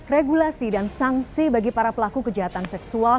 regulasi dan sanksi bagi para pelaku kejahatan seksual